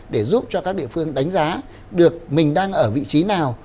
để giúp cho các địa phương đánh giá được mình đang ở vị trí nào